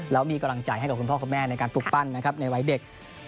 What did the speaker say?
แล้วมีกำลังใจให้กับคุณพ่อคุณแม่ในการปลูกปั้นนะครับในวัยเด็ก